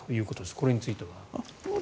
これについては。